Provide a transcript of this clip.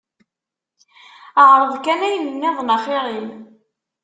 Ԑreḍ kan ayen nniḍen axir-im.